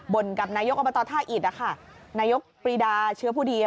บ่นกับนายยกเอาไปต่อท่าอิดอ่ะค่ะนายยกปริดาเชื้อผู้ดีอ่ะ